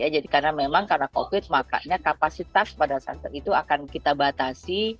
jadi karena memang karena covid makanya kapasitas pada saat itu akan kita batasi